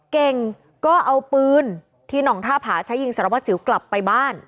เก่งก็เอาปืนที่หน่องท่าผาใช้ยิงสารวัสสิวกลับไปบ้าน